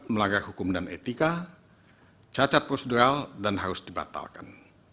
melanggar hukum dan etika cacat prosedural dan harus dibatalkan